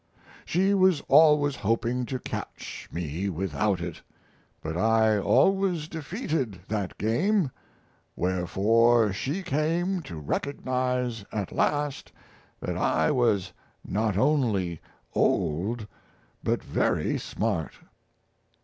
She was always hoping to catch me without it, but I always defeated that game wherefore she came to recognize at last that I was not only old, but very smart.